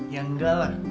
ya enggak lah